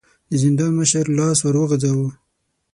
د زندان مشر لاس ور وغځاوه.